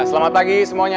selamat pagi semuanya